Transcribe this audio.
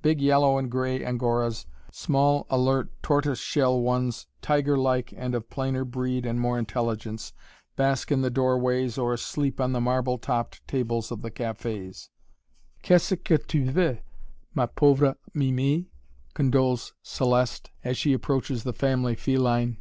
Big yellow and gray Angoras, small, alert tortoise shell ones, tiger like and of plainer breed and more intelligence, bask in the doorways or sleep on the marble topped tables of the cafés. [Illustration: (woman carrying shopping box)] "Qu'est ce que tu veux, ma pauvre Mimi?" condoles Céleste, as she approaches the family feline.